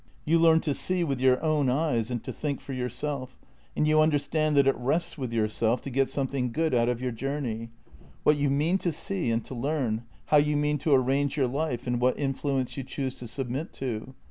You learn to see with your own eyes and to think for yourself, and you understand that it rests with yourself to get something good out of your journey: what you mean to see and to learn, how you mean to arrange your life and what influence you choose to submit to.